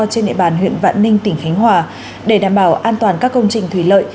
trên địa bàn huyện vạn ninh tỉnh khánh hòa để đảm bảo an toàn các công trình thủy lợi